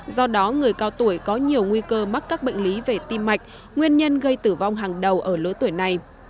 do đó người cao tuổi có nhiều nguy cơ mắc các bệnh lý về tim mạch nguyên nhân gây tử vong hàng đầu ở lứa tuổi này